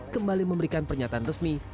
kembali memberikan pernyataan resmi